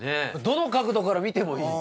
どの角度から見てもいい。